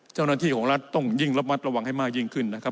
เจ้าหน้าที่ของรัฐต้องยิ่งระมัดระวังให้มากยิ่งขึ้นนะครับ